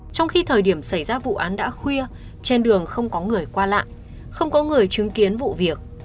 trong khi thời điểm xảy ra vụ án đã khuya trên đường không có người qua lại không có người chứng kiến vụ việc